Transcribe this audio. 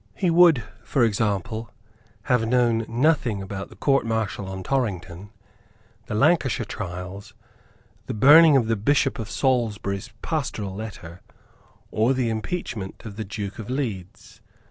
He would, for example, have known nothing about the Court Martial on Torrington, the Lancashire Trials, the burning of the Bishop of Salisbury's Pastoral Letter or the impeachment of the Duke of Leeds.